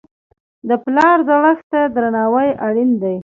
د پلار زړښت ته درناوی اړین دی.